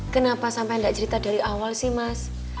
kenapa sampe gak cerita dari awal sih mas